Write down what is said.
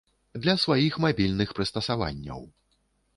Для сваіх мабільных прыстасаванняў.